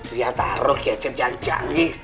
dia taruh gadget yang janggih